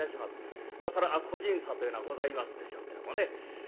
そら個人差というのはございますでしょうけどもね。